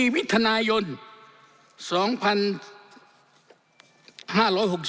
๔วิทยาลัยยนตร์๒๕๖๒โดยสำนักงานพุทธศาสนาแห่งชาติ